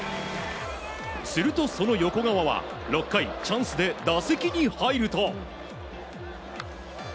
するとその横川は６回、チャンスで打席に入ると。